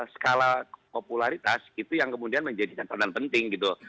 skala popularitas itu yang kemudian menjadi catatan penting gitu